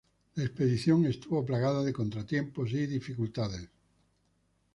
La expedición estuvo plagada de contratiempos y dificultades.